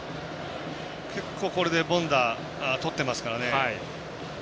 結構これで凡打とってますからね。